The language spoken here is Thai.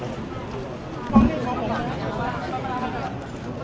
เดี๋ยวครูจะไปนวดแม่ครู